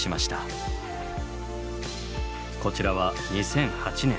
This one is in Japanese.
こちらは２００８年。